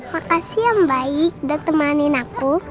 makasih yang baik udah temanin aku